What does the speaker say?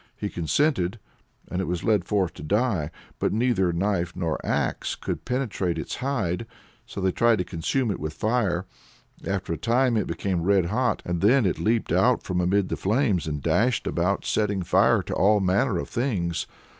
He consented, and it was led forth to die. But neither knife nor axe could penetrate its hide, so they tried to consume it with fire. After a time it became red hot, and then it leaped out from amid the flames, and dashed about setting fire to all manner of things.